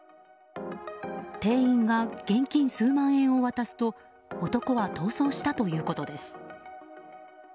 店員が現金数万円を渡すと男は逃走したということです。